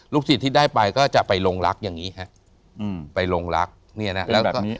ลูกศิษย์ที่ได้ไปก็จะไปลงลักษณ์อย่างงี้ฮะอืมไปลงลักษณ์เนี้ยนะเป็นแบบนี้